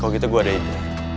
kalau gitu gue ada ide